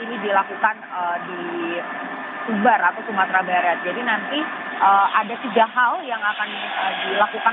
ini dilakukan di subar atau sumatera barat jadi nanti ada tiga hal yang akan dilakukan